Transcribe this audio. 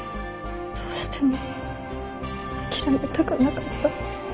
どうしても諦めたくなかった